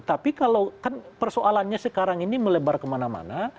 tapi kalau kan persoalannya sekarang ini melebar kemana mana